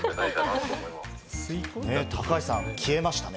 高橋さん、消えましたね。